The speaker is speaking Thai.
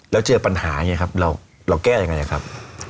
แล้วเจอปัญหาไงครับเราแก้ยังไงครับ